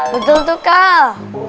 betul tuh kal